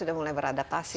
sudah mulai beradaptasi ya